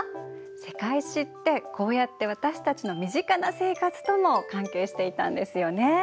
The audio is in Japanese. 「世界史」ってこうやって私たちの身近な生活とも関係していたんですよね。